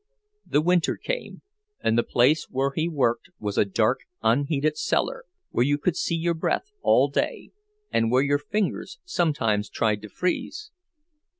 The winter came, and the place where he worked was a dark, unheated cellar, where you could see your breath all day, and where your fingers sometimes tried to freeze.